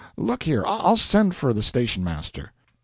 Look here, I'll send for the station master.'